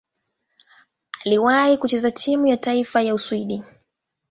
Aliwahi kucheza timu ya taifa ya Uswidi.